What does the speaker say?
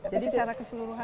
tapi secara keseluruhan